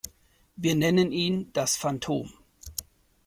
Wir nennen ihn das Phantom.